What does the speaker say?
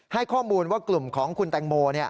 ให้ข้อมูลว่ากลุ่มของคุณแตงโม